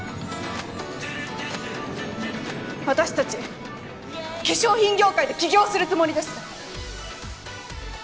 私たち化粧品業界で起業するつもりです。